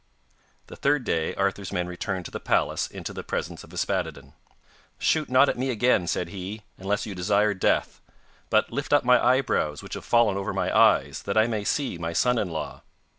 The third day Arthur's men returned to the palace into the presence of Yspaddaden. 'Shoot not at me again,' said he, 'unless you desire death. But lift up my eyebrows, which have fallen over my eyes, that I may see my son in law.